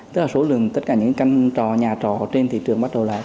tức là số lượng tất cả những căn trò nhà trò trên thị trường bắt đầu lại